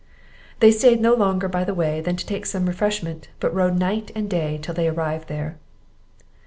They stayed no longer by the way than to take some refreshment, but rode night and day till they arrived there.